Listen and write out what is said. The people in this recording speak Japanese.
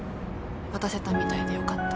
渡せたみたいでよかった。